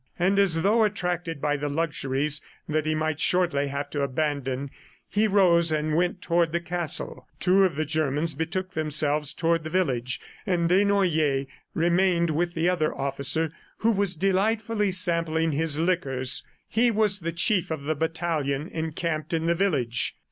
And as though attracted by the luxuries that he might shortly have to abandon, he rose and went toward the castle. Two of the Germans betook themselves toward the village, and Desnoyers remained with the other officer who was delightfully sampling his liquors. He was the chief of the battalion encamped in the village.